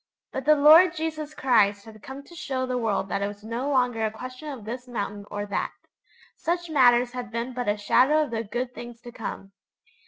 But the Lord Jesus Christ had come to show the world that it was no longer a question of this mountain or that. Such matters had been but a shadow of the good things to come.